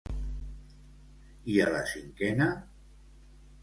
I a la cinquena?